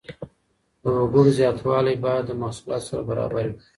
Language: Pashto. د وګړو زياتوالی بايد د محصولاتو سره برابر وي.